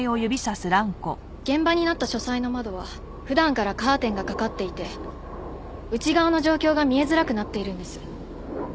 現場になった書斎の窓は普段からカーテンが掛かっていて内側の状況が見えづらくなっているんです。